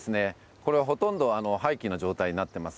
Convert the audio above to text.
これはほとんど廃棄の状態になっています。